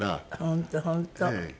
本当本当。